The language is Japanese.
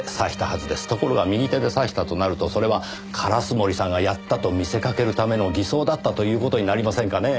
ところが右手で刺したとなるとそれは烏森さんがやったと見せかけるための偽装だったという事になりませんかねぇ？